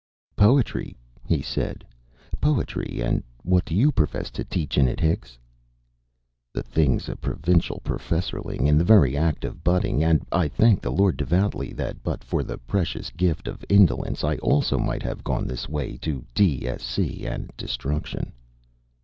"'Poetry,' he said, 'Poetry. And what do you profess to teach in it, Hicks?' "The thing's a Provincial professorling in the very act of budding, and I thank the Lord devoutly that but for the precious gift of indolence I also might have gone this way to D.Sc. and destruction..."